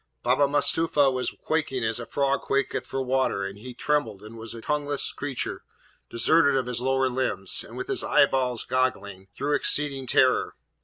Baba Mustapha was quaking as a frog quaketh for water, and he trembled and was a tongueless creature deserted of his lower limbs, and with eyeballs goggling, through exceeding terror.